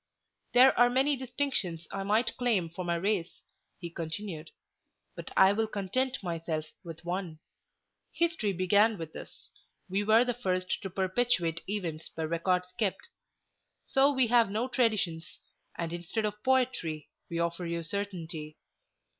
"There are many distinctions I might claim for my race," he continued; "but I will content myself with one. History began with us. We were the first to perpetuate events by records kept. So we have no traditions; and instead of poetry, we offer you certainty.